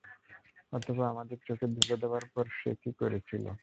অথবা, আমাদের চোখে ধূলো দেবার পর সে কী করেছিল।